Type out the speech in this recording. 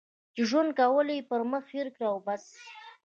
چې ژوند کول یې پر مخ هېر کړي او بس.